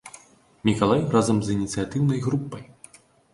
Мікалай разам з ініцыятыўнай групай.